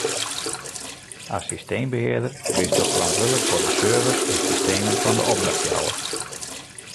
As systeembehearder bisto ferantwurdlik foar de servers en systemen fan de opdrachtjouwer.